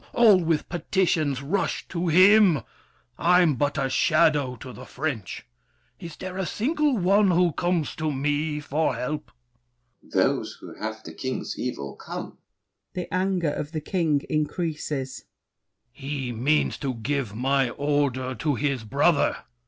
All with petitions rush To him! I'm but a shadow to the French! Is there a single one who comes to me For help? DUKE DE BELLEGARDE. Those who have the king's evil come. [The anger of The King increases. THE KING. He means to give my order to his brother!